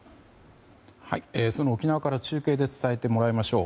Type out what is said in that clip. その沖縄から中継で伝えてもらいましょう。